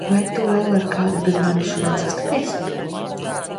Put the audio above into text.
Vai tu vēl ar kādu bez manis šodien sastapies?